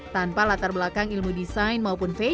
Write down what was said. tanpa latar belakang ilmu desain maupun face